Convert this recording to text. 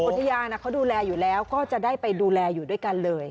อุทยานเขาดูแลอยู่แล้วก็จะได้ไปดูแลอยู่ด้วยกันเลย